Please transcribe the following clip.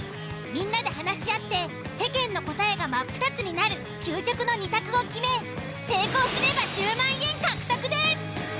みんなで話し合って世間の答えがマップタツになる究極の２択を決め成功すれば１０万円獲得です！